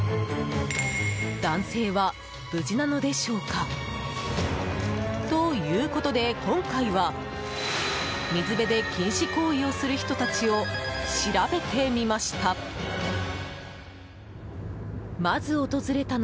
男性は無事なのでしょうか？ということで、今回は水辺で禁止行為をする人たちを調べてみました。